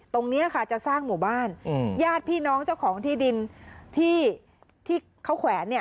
ตรงนี้ค่ะจะสร้างหมู่บ้านญาติพี่น้องเจ้าของที่ดินที่ที่เขาแขวนเนี่ย